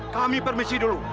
kami permisi dulu